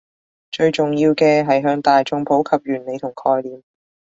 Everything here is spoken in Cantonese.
最重要嘅係向大衆普及原理同概念